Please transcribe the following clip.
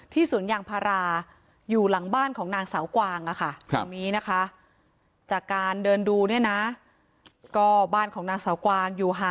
สวนยางพาราอยู่หลังบ้านของนางสาวกวางค่ะ